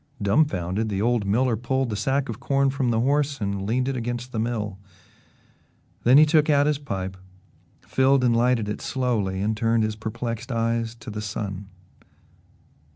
Dumfounded, the old miller pulled the sack of corn from the horse and leaned it against the mill. Then he took out his pipe, filled and lighted it slowly and turned his perplexed eyes to the sun.